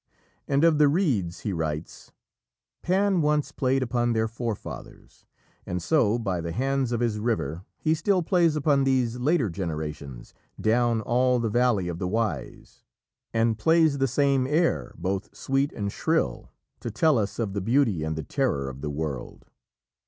And of the reeds he writes: "Pan once played upon their forefathers; and so, by the hands of his river, he still plays upon these later generations down all the valley of the Oise; and plays the same air, both sweet and shrill, to tell us of the beauty and the terror of the world."